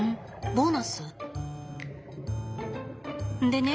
ボーナス？でね